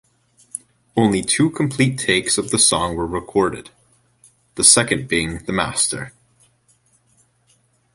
Only two complete takes of the song were recorded, the second being the master.